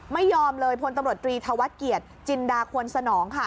ไม่ยอมเลยพลตำรวจตรีธวัฒน์เกียรติจินดาควรสนองค่ะ